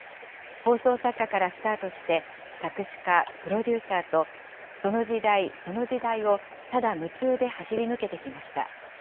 放送作家からスタートして、作詞家、プロデューサーとその時代、その時代をただ夢中で走り抜けてきました。